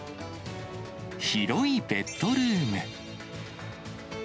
広いベッドルーム。